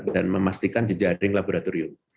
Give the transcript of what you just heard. dan memastikan jejaring laboratorium